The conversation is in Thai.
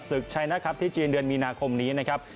ศึกชัยนะครับที่จีนเดือนมีนาคมนี้นะครับ